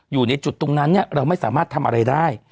อยู่ในจุดตรงนั้นเราไม่สามารถทำอะไรได้